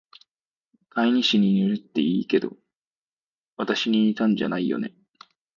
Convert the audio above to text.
飼い主に似るって言うけど、わたしに似たんじゃないよね？